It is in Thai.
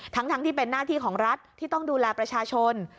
ทั้งที่เป็นหน้าที่ของรัฐที่ต้องดูแลประชาชน